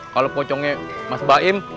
kalau pocongnya mas baim